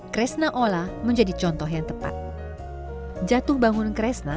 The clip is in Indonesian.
kresna ola seorang kursi yang sangat berharga